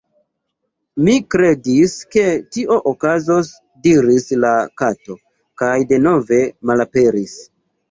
"Mi kredis ke tio okazos," diris la Kato kaj denove malaperis.